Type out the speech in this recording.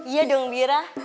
iya dongw christian